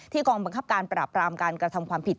กองบังคับการปราบรามการกระทำความผิด